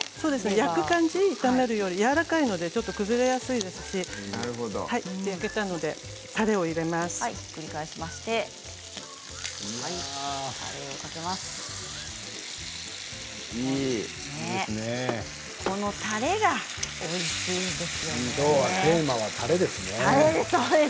焼く感じ、やわらかいので崩れやすいですし焼けたのでたれを入れます。